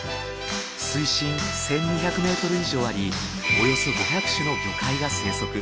水深１，２００ｍ以上ありおよそ５００種の魚介が生息。